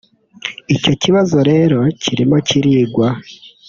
Icyo kibazo rero kirimo kirigwa